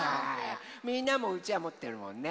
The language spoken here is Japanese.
みんなもうちわもってるもんね。